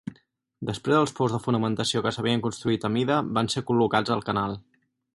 Després els pous de fonamentació que s'havien construït a mida van ser col·locats al canal.